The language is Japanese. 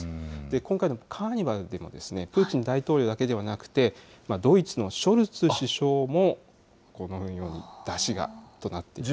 今回のカーニバルでも、プーチン大統領だけではなくて、ドイツのショルツ首相も、このように山車がなっています。